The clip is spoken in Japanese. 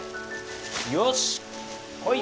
よし来い！